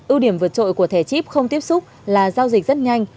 ưu điểm vượt trội của thẻ chip không tiếp xúc là giao dịch rất nhanh